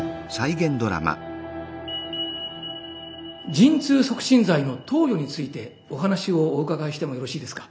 陣痛促進剤の投与についてお話をお伺いしてもよろしいですか？